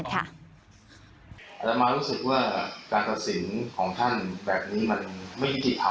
เรามารู้สึกว่าการตัดสินของท่านแบบนี้มันไม่ยุติธรรม